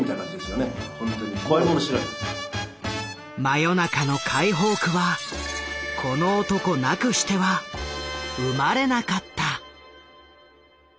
真夜中の解放区はこの男なくしては生まれなかった。